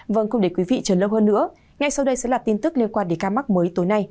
vâng cùng để quý vị trở lâu hơn nữa ngay sau đây sẽ là tin tức liên quan đến ca mắc mới tối nay